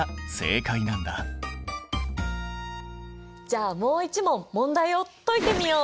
じゃあもう一問問題を解いてみよう。